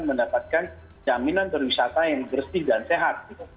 mendapatkan jaminan dan wisata yang bersih dan sehat